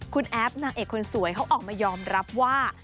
คุณแอฟนางเอกคนสวยเขาออกมายอมรับว่า